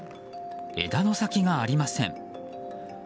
枝の先がありません。